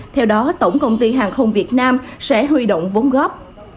theo đó tổng công ty hàng không việt nam sẽ huy động vốn góp